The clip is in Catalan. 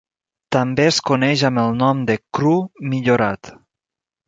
També es coneix amb el nom de "cru millorat".